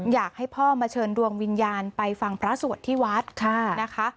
อยากให้พ่อมาเชิญดวงวิญญาณไปฟังพระสวดที่วัดนะคะ